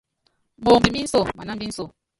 Moomb mí nso manámb inso.